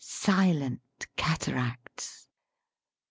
silent cataracts!